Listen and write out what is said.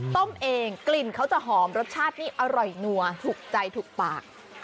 ต้มเองกลิ่นเขาจะหอมรสชาตินี่อร่อยนัวถูกใจถูกปาก